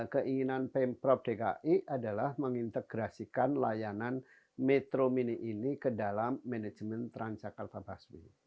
keinginan pemprov dki adalah mengintegrasikan layanan metro mini ini ke dalam manajemen transjakarta busway